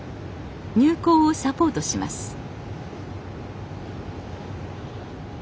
入港をサポートをします